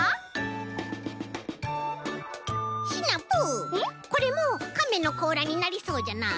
シナプーこれもカメのこうらになりそうじゃない？